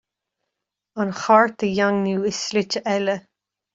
An Chairt a dhaingniú i slite eile.